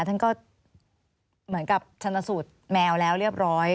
ท่านก็เหมือนกับชนสูตรแมวแล้วเรียบร้อย